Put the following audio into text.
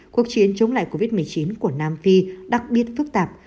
cuộc chiến chống lại covid một mươi chín của nam phi đặc biệt phức tạp